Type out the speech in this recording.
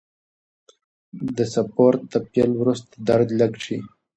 د سپورت د پیل وروسته درد لږ شي.